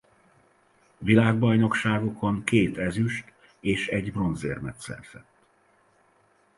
Világbajnokságokon két ezüst- és egy bronzérmet szerzett.